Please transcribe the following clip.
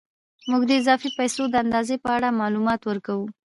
موږ د اضافي پیسو د اندازې په اړه معلومات ورکوو